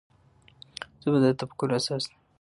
ژبه د تفکر اساس ده.